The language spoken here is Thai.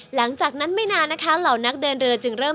หลังจากนั้นไม่นานนะคะเหล่านักเดินเรือจึงเริ่ม